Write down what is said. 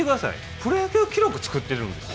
プロ野球記録を作っているんですよ。